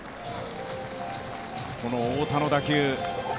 この太田の打球。